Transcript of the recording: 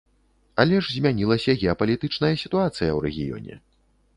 Але ж змянілася геапалітычная сітуацыя ў рэгіёне.